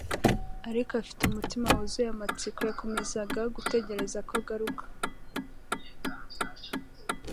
ariko afite umutima wuzuye amatsiko, yakomezaga gutegereza ko agaruka.